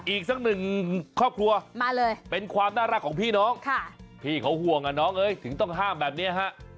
อีกสักหนึ่งครอบครัวมาเลยเป็นความน่ารักของพี่น้องพี่เขาห่วงอ่ะน้องเอ้ยถึงต้องห้ามแบบนี้ฮะ